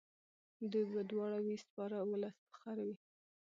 دوی به دواړه وي سپاره اولس به خر وي.